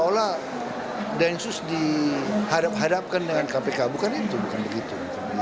seolah olah densus dihadap hadapkan dengan kpk bukan itu bukan begitu